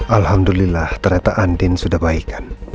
alhamdulillah ternyata andin sudah baik kan